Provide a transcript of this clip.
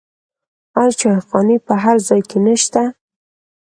آیا چایخانې په هر ځای کې نشته؟